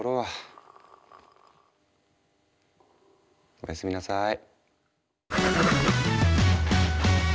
おやすみなさい。